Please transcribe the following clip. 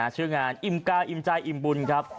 ชื่องานอิ่มกาอิ่มใจอิ่มบุญครับ